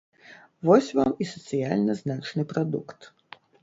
Вось вам і сацыяльна значны прадукт.